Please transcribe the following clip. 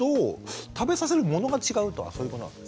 食べさせるものが違うとかそういうことなんですか？